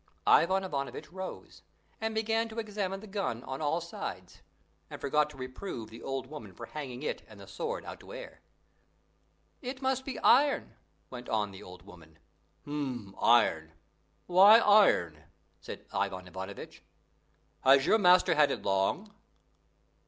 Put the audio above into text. Ivan Ivanovitch rose, and began to examine the gun on all sides, and forgot to reprove the old woman for hanging it and the sword out to air. "It must be iron," went on the old woman. "Hm, iron! why iron?" said Ivan Ivanovitch. "Has your master had it long?"